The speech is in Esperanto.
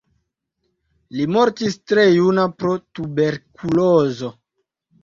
Li mortis tre juna pro tuberkulozo.